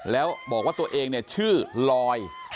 แล้วบอกว่าตัวเองเนี่ยชื่อลอย